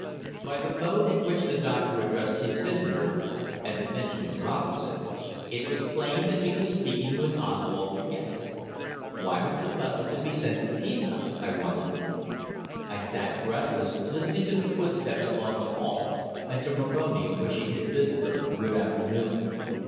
By the mode in which the doctor addressed his visitor, and the mention of Robertson, it was plain that he was speaking with Oswald De Gex. Why was the butler to be sent to Pisa? I wondered. I sat breathless, listening to the footsteps along the hall, and to Moroni wishing his visitor good afternoon.